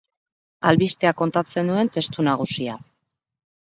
Albistea kontatzen duen testu nagusia.